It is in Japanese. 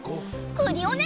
クリオネ！